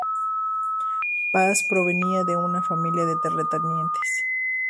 Paz provenía de una familia de terratenientes.